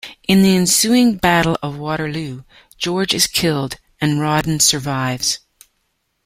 In the ensuing Battle of Waterloo, George is killed and Rawdon survives.